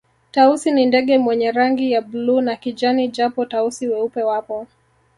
Tausi ni ndege mwenye rangi ya bluu na kijani japo Tausi weupe wapo